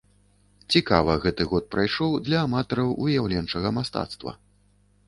Цікава гэты год прайшоў для аматараў выяўленчага мастацтва.